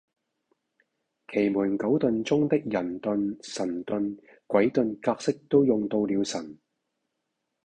奇門九遁中的人遁、神遁、鬼遁格式都用到了神